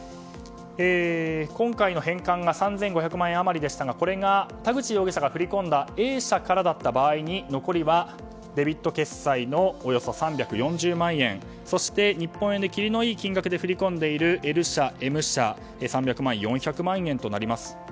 今回の返還が３５００万円余りでしたがこれが田口容疑者が振り込んだＡ社からだった場合に残りはデビット決済のおよそ３４０万円そして日本円で切りのいい金額で振り込んでいるＬ社、Ｍ社、３００万円４００万円となります。